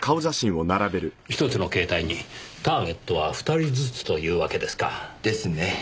ひとつの携帯にターゲットは２人ずつというわけですか。ですね。